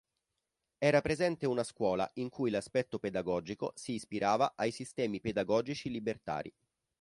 Era presente una scuola in cui l'aspetto pedagogico si ispirava ai sistemi pedagogici libertari.